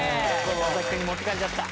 川君に持っていかれちゃった。